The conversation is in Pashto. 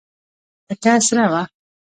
تکه سره وه.